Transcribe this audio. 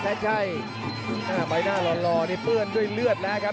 กระโดยสิ้งเล็กนี่ออกกันขาสันเหมือนกันครับ